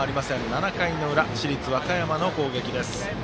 ７回の裏、市立和歌山の攻撃。